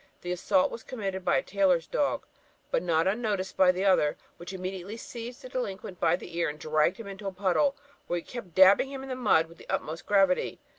The assault was committed by a tailor's dog, but not unnoticed by the other, which immediately seized the delinquent by the ear and dragged him into a puddle, where he kept dabbling him in the mud with the utmost gravity.